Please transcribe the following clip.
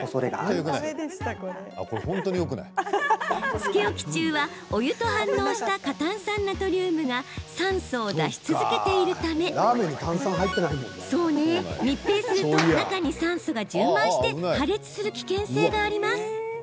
つけ置き中は、お湯と反応した過炭酸ナトリウムが酸素を出し続けているため密閉すると、中に酸素が充満して破裂する危険性があります。